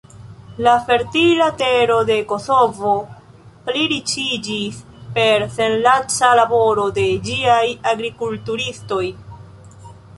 La fertila tero de Kosovo pliriĉiĝis per senlaca laboro de ĝiaj agrikulturistoj.